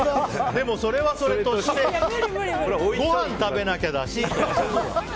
でも、それはそれとしてごはん食べなきゃだし！